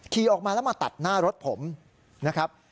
ขี่ออกมาแล้วมาตัดหน้ารถผมนะครับ